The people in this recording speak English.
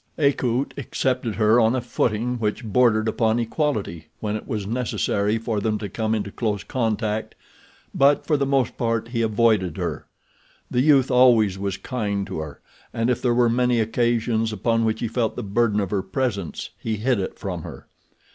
Akut accepted her on a footing which bordered upon equality when it was necessary for them to come into close contact; but for the most part he avoided her. The youth always was kind to her, and if there were many occasions upon which he felt the burden of her presence he hid it from her.